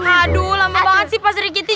aduh lama banget sih pasri giti